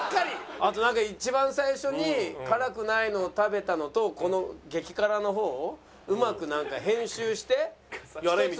あとなんか一番最初に辛くないのを食べたのとこの激辛の方うまくなんか編集して１つにしようって。